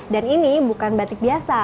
dan ini bukan batik biasa